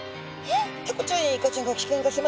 えっ。